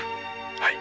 はい。